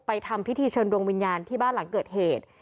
ทำพิธีเชิญดวงวิญญาณที่บ้านหลังเกิดเหตุ